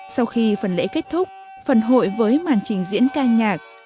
sau khi phần lễ kết thúc phần hội với màn trình diễn ca nhạc